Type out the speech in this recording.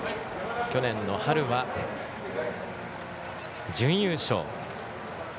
去年の春は準優勝。